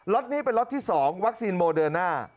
นี้เป็นล็อตที่๒วัคซีนโมเดิร์น่า